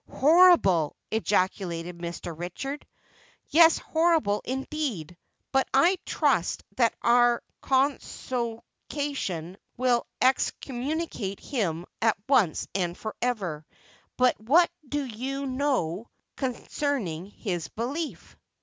"Horrible!" ejaculated Mr. Richard. "Yes, horrible indeed! But I trust that our Consociation will excommunicate him at once and forever. But what do you know concerning his belief?"